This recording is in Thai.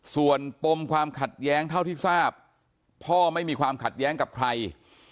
ส่วนปมความขัดแย้งเท่าที่ทราบพ่อไม่มีความขัดแย้งกับใคร